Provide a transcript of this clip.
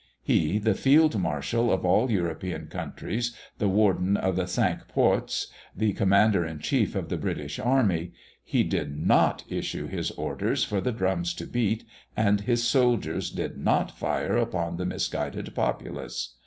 He, the Field Marshal of all European countries, the Warden of the Cinque Ports, the Commander in Chief of the British army, he did not issue his orders for the drums to beat, and his soldiers did not fire upon the misguided populace.